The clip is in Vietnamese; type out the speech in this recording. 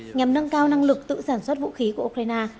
nhằm nâng cao năng lực tự sản xuất vũ khí của ukraine